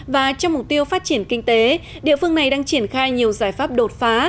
và trong mục tiêu phát triển kinh tế địa phương này đang triển khai nhiều giải pháp đột phá